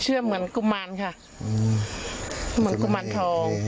เหมือนกุมารค่ะเหมือนกุมารทอง